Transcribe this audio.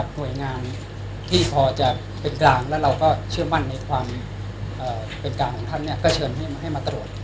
หน่วยงานที่พอจะเป็นกลางแล้วเราก็เชื่อมั่นในความเป็นกลางของท่านก็เชิญให้มาตรวจ